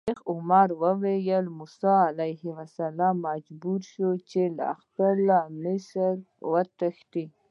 شیخ عمر ویل: موسی علیه السلام مجبور شو چې له مصر څخه وتښتي.